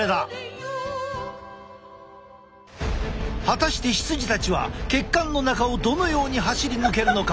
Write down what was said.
果たして羊たちは血管の中をどのように走り抜けるのか？